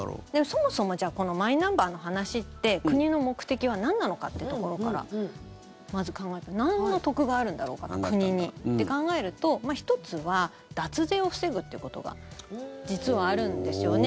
そもそもじゃあこのマイナンバーの話って国の目的はなんなのかっていうところから、まず考えてなんの得があるんだろうかな国にって考えると１つは脱税を防ぐっていうことが実はあるんですよね。